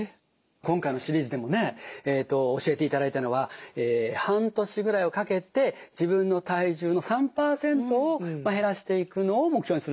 今回のシリーズでもね教えていただいたのは半年ぐらいをかけて自分の体重の３％を減らしていくのを目標にする。